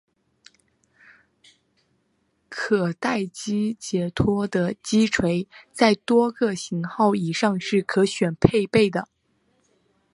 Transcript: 可待击解脱的击锤在多个型号以上是可选配备。